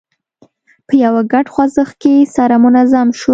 په یوه ګډ خوځښت کې سره منظم شول.